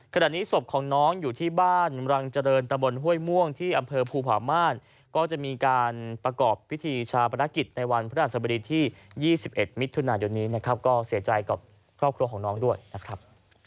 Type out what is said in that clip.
ขณะนี้ศพของน้องอยู่ที่บ้านรังเจริญตะบนห้วยม่วงที่อำเภอภูผาม่านก็จะมีการประกอบพิธีชาปนกิจในวันพระราชบดีที่๒๑มิถุนายนนี้นะครับก็เสียใจกับครอบครัวของน้องด้วยนะครับ